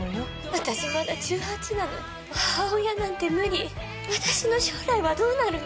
私まだ１８なのに母親なんて無理私の将来はどうなるの？